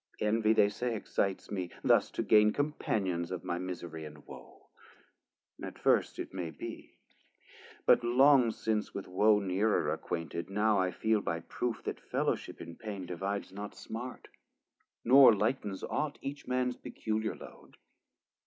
Envy they say excites me, thus to gain Companions of my misery and wo. At first it may be; but long since with wo Nearer acquainted, now I feel by proof, 400 That fellowship in pain divides not smart, Nor lightens aught each mans peculiar load.